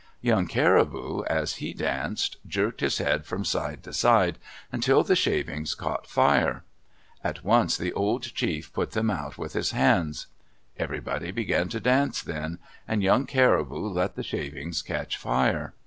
Young Caribou, as he danced, jerked his head from side to side until the shavings caught fire. At once the old chief put them out with his hands. Everybody began to dance then, and Young Caribou let the shavings catch fire.